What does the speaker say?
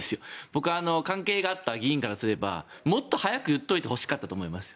僕、関係があった議員からすればもっと早く言っておいてほしかったと思います。